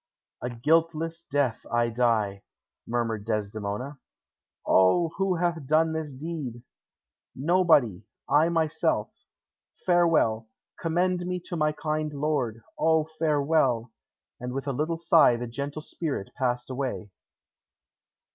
"A guiltless death I die," murmured Desdemona. "O, who hath done this deed?" "Nobody; I myself. Farewell! Commend me to my kind lord. O, farewell!" And with a little sigh the gentle spirit passed away.